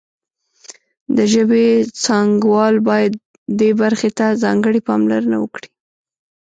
د ژبې څانګوال باید دې برخې ته ځانګړې پاملرنه وکړي